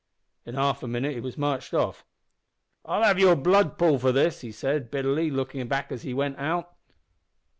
"In half a minute he was marched off. `I'll have your blood, Paul, for this,' he said bitterly, looking back as he went out.